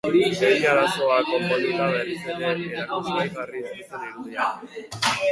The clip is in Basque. Behin arazoa konponduta berriz ere erakusgai jarri zituzten irudiak.